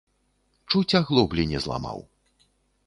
Чуць аглоблі не зламаў.